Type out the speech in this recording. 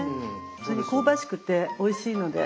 それに香ばしくておいしいので。